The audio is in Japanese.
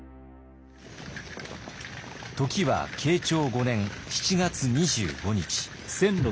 時は慶長５年７月２５日。